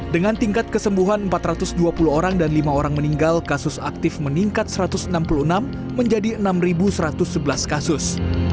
dengan tingkat kesembuhan empat ratus dua puluh orang dan lima orang meninggal kasus aktif meningkat satu ratus enam puluh enam menjadi enam satu ratus sebelas kasus